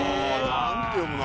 何て読むの？